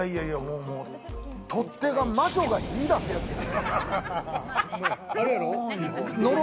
取っ手が魔女が火を出すやつやん。